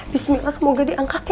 bismillah semoga diangkat ya